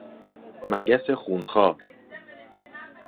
مگس خونخوار